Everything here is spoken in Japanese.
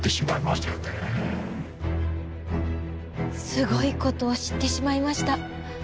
すごいことを知ってしまいました。